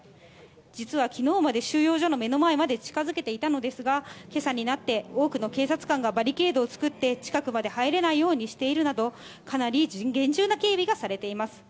実は昨日まで収容所の目の前まで近づけていたのですが、今朝になって、多くの警察官がバリケードを作って近くまで入れないようにしているなど、かなり厳重な警備がされています。